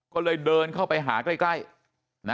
ก็เลยเดินเข้าไปหาใกล้นะ